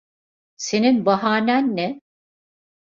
Senin bahanen ne?